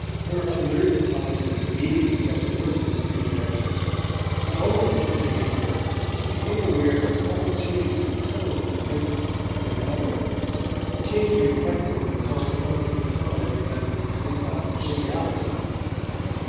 Her alert intelligence immediately set to work in this new direction; but almost at the same moment she became aware of a subtle change of tone in the Princess and her mother, a change reflected in the corresponding decline of Madame de Trezac's cordiality.